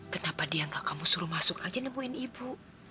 kenapa dia gak kamu suruh masuk aja nemuin ibu